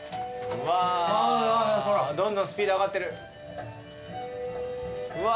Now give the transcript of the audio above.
うわどんどんスピード上がってる。